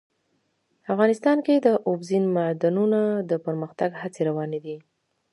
افغانستان کې د اوبزین معدنونه د پرمختګ هڅې روانې دي.